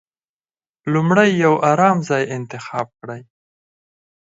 لومړی يو ارام ځای انتخاب کړئ.